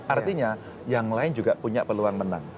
artinya yang lain juga punya peluang menang